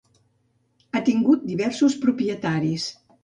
Ha tingut diversos propietaris.